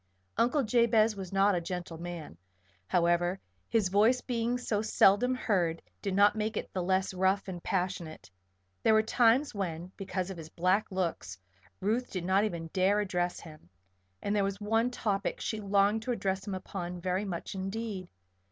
Uncle Jabez was not a gentle man, however; his voice being so seldom heard did not make it the less rough and passionate. There were times when, because of his black looks, Ruth did not even dare address him. And there was one topic she longed to address him upon very much indeed.